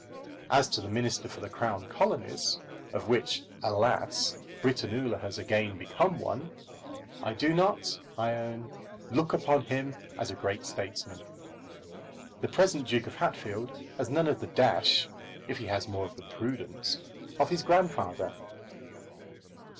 As to the Minister for the Crown Colonies, of which, alas! Britannula has again become one, I do not, I own, look upon him as a great statesman. The present Duke of Hatfield has none of the dash, if he has more than the prudence, of his grandfather.